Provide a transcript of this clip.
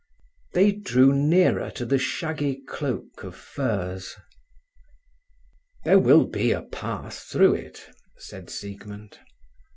They drew nearer to the shaggy cloak of furze. "There will be a path through it," said Siegmund.